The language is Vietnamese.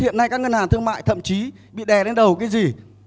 hiện nay các ngân hàng thương mại thậm chí bị đè lên đầu cái gì